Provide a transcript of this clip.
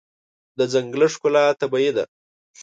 د ځنګل ښکلا طبیعي ده.